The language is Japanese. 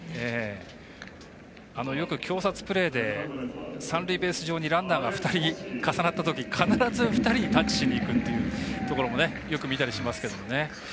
よく挟殺プレーで三塁ベース上にランナーが２人、重なったとき必ず２人にタッチにしにいくところもよくみたりしますけれども。